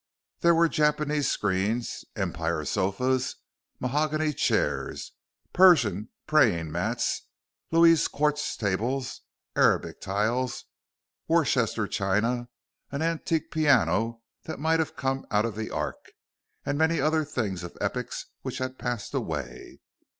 There were Japanese screens, Empire sofas, mahogany chairs, Persian praying mats, Louis Quatorz tables, Arabic tiles, Worcester china, an antique piano that might have come out of the ark, and many other things of epochs which had passed away.